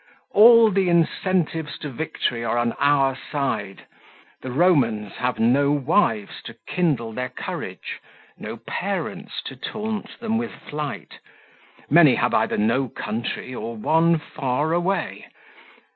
All the incentives to victory are on our side. The Romans have no wives to kindle their courage; no parents to taunt them with flight, man have either no country or one far away.